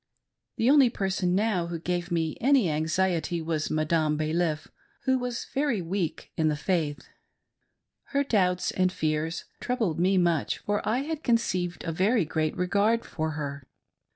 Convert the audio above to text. The only person, now, who gave me any anxiety was Madarpe Balif, who was very weak in the faith. Her doubts and fears troubled me much, for I had conceived a very great regard for her.